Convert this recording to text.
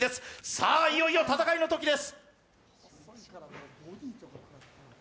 さあ、いよいよ戦いの時です。